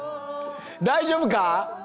大丈夫か？